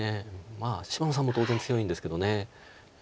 まあ芝野さんも当然強いんですけど。